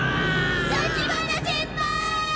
立花先輩！